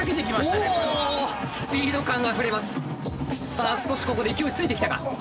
さあ少しここで勢いついてきたか。